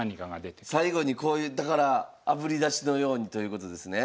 最後にこういうだからあぶり出しのようにということですね。